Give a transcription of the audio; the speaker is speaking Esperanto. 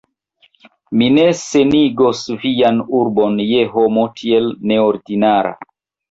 mi ne senigos vian urbon je homo tiel neordinara.